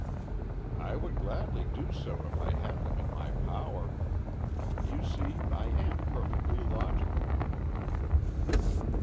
"I would gladly do so if I had them in my power. You see, I am perfectly logical."